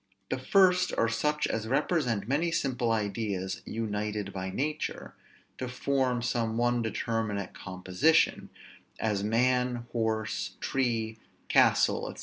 The first are such as represent many simple ideas united by nature to form some one determinate composition, as man, horse, tree, castle, &c.